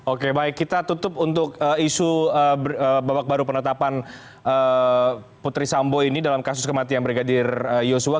oke baik kita tutup untuk isu babak baru penetapan putri sambo ini dalam kasus kematian brigadir yosua